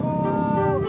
baiklah mohon ditunggu